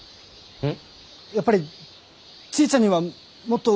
うん。